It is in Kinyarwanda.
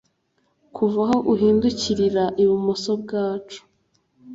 kuva aho uhindukirira ibumoso bwacu